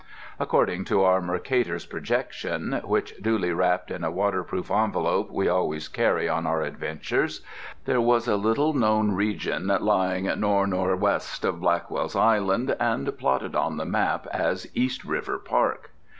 According to our Mercator's projection (which, duly wrapped in a waterproof envelope, we always carry on our adventures) there was a little known region lying nor' nor'west of Blackwell's Island and plotted on the map as East River Park.